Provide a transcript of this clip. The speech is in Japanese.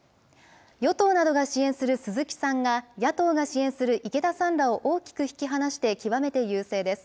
与党などが支援する鈴木さんが、野党が支援する池田さんらを大きく引き離して、極めて優勢です。